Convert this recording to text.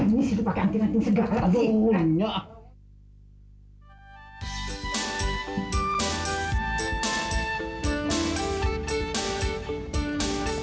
ini sih pakai nanti nanti segala aduh minyak